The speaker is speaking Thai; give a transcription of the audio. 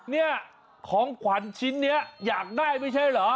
เนี่ยของขวัญชิ้นนี้อยากได้ไม่ใช่เหรอ